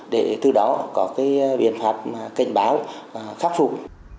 để từ đó có cái biện pháp cảnh báo khắc phục